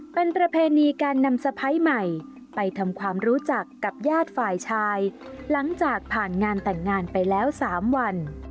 เป็นประเพณีการนำสะพ้ายใหม่ไปทำความรู้จักกับญาติฝ่ายชายหลังจากผ่านงานแต่งงานไปแล้ว๓วัน